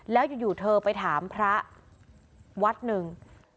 แล้วอยู่เธอไปถามพระวัดหนึ่ง